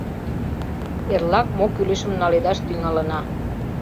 — Эрлак мо кӱлешым наледаш тӱҥалына.